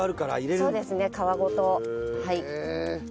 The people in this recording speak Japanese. そうですね皮ごと。